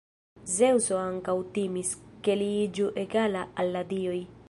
Zeŭso ankaŭ timis, ke li iĝu egala al la dioj.